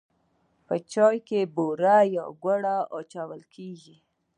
په چای کې بوره یا ګوړه اچول کیږي.